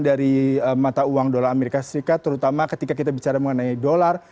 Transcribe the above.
dari mata uang dolar amerika serikat terutama ketika kita bicara mengenai dolar